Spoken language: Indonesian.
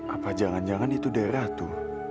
apa jangan jangan itu dari ratu